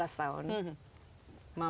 masuk kita ke empat belas